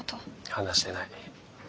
話してない。